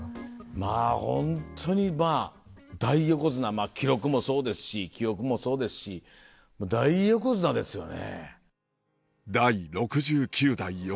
まぁホントにまぁ大横綱記録もそうですし記憶もそうですし大横綱ですよね。